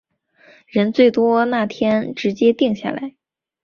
人最多那天直接定下来